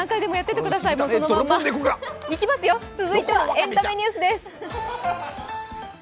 続いてはエンタメニュースです。